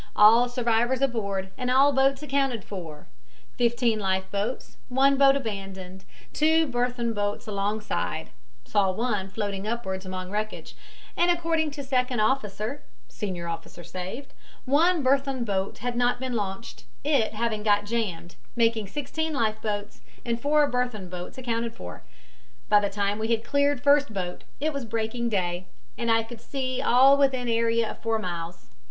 All survivors aboard and all boats accounted for, viz., fifteen life boats, one boat abandoned, two Berthon boats alongside (saw one floating upwards among wreckage), and according to second officer (senior officer saved) one Berthon boat had not been launched, it having got jammed, making sixteen life boats and four Berthon boats accounted for. By the time we had cleared first boat it was breaking day, and I could see all within area of four miles.